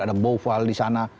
ada boval di sana